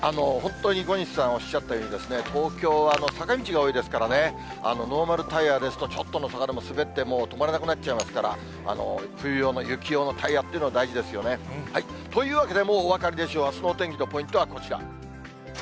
本当に小西さん、おっしゃったように、東京は坂道が多いですからね、ノーマルタイヤですと、ちょっとの坂でも滑って、止まらなくなっちゃいますから、冬用の、雪用のタイヤっていうのが大事ですよね。というわけでもうお分かりでしょう、あすのお天気のポイントはこちら。